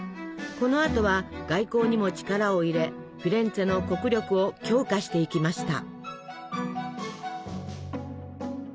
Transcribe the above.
このあとは外交にも力を入れフィレンツェの国力を強化していきました。